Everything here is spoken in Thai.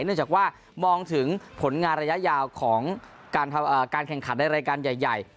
เนื่องจากว่ามองถึงผลงานระยะยาวของการแข่งขันในรายการใหญ่